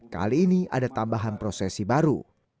kali ini ada tambahan prosesi baru